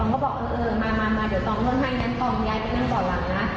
ก็บอกเออมาเดี๋ยวตองนู่นให้งั้นตองย้ายไปนั่นก่อนหลังนะ